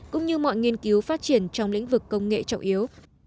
cũng như mọi nghiên cứu phát triển trong lĩnh vực công nghệ trọng yếu